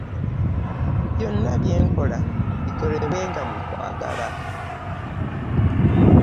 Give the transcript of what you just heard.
Byonna bye mukola bikolebwenga mu kwagala.